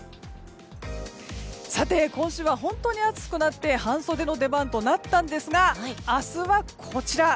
さて、今週は本当に暑くなって半袖の出番となったんですが明日は、こちら。